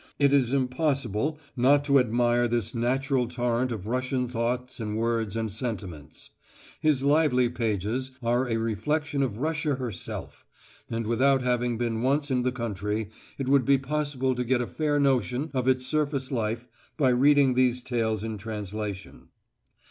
It is impossible not to admire this natural torrent of Russian thoughts and words and sentiments. His lively pages are a reflection of Russia herself, and without having been once in the country it would be possible to get a fair notion of its surface life by reading these tales in translation.